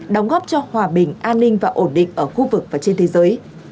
đóng góp cho hòa bình an ninh và ổn định ở khu vực và trên thế giới